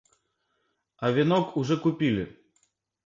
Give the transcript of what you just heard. А венок уже купили.